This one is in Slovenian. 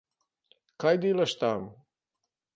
Kaj delaš tam?